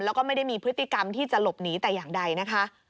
แล้วก็ไม่ได้มีพฤติกรรมที่จะหลบหนีแต่อย่างใดนะคะ